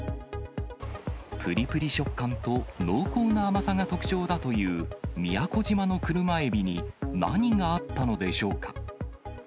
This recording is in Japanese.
ぷりぷり食感と濃厚な甘さが特徴だという宮古島の車エビに、何があったのでしょうか。